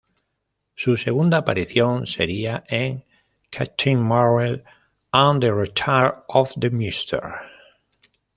Su segunda aparición, sería en "Captain Marvel and the return of the Mr.